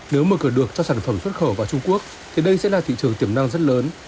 nếu mở cửa được cho sản phẩm xuất khẩu vào trung quốc thì đây sẽ là thị trường tiềm năng rất lớn